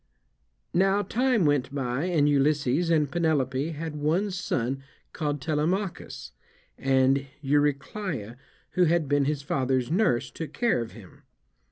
Now time went by, and Ulysses and Penelope had one son called Telemachus; and Eurycleia, who had been his father's nurse, took care of him.